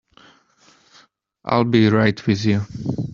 I'll be right with you.